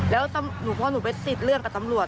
แล้วเพราะหนูไปติดเรื่องกับตำรวจ